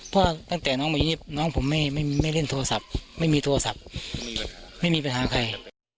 เพราะตั้งแต่น้องมายิบน้องผมไม่เล่นโทรศัพท์ไม่มีโทรศัพท์ไม่มีปัญหาใคร